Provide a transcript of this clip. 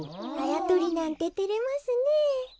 あやとりなんててれますねえ。